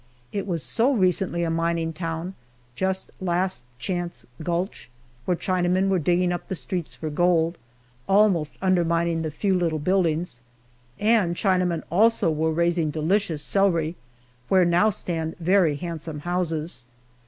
It was so recently a mining town, just "Last Chance Gulch," where Chinamen were digging up the streets for gold, almost undermining the few little buildings, and Chinamen also were raising delicious celery, where now stand very handsome houses.